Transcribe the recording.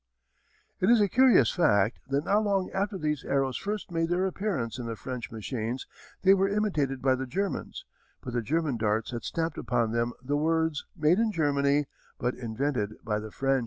] It is a curious fact that not long after these arrows first made their appearance in the French machines, they were imitated by the Germans, but the German darts had stamped upon them the words: "Made in Germany, but invented by the French."